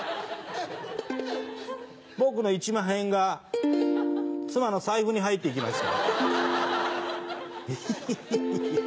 僕の一万円が妻の財布に入っていきました。